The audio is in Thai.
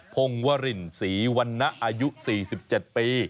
พงวรินศรีวรรณะอายุ๔๗ปี